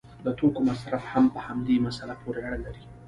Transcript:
د توکو مصرف هم په همدې مسله پورې اړه لري.